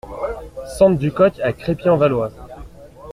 Sente du Coq à Crépy-en-Valois